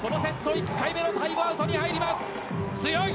１回目のタイムアウトに入ります。